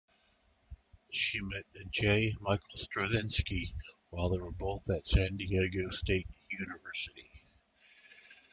She met J. Michael Straczynski while they were both at San Diego State University.